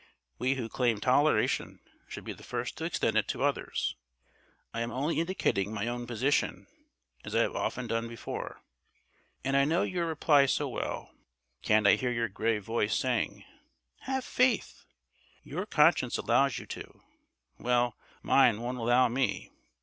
We who claim toleration should be the first to extend it to others. I am only indicating my own position, as I have often done before. And I know your reply so well. Can't I hear your grave voice saying "Have faith!" Your conscience allows you to. Well, mine won't allow me.